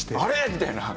みたいな。